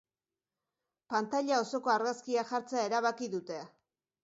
Pantaila osoko argazkia jartzea erabaki dute.